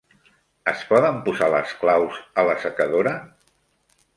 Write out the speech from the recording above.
Es poden posar les claus a l'assecadora?